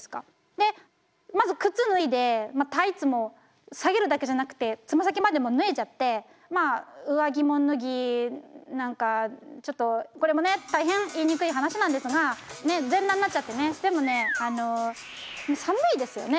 でまず靴脱いでタイツも下げるだけじゃなくて爪先までもう脱いじゃってまあ上着も脱ぎ何かちょっとこれもね大変言いにくい話なんですが全裸になっちゃってねでもね寒いですよね